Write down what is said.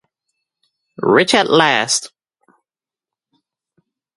Rich at last!